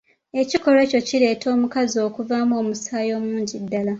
Ekikolwa ekyo kireetera omukazi okuvaamu omusaayi omungi ddala.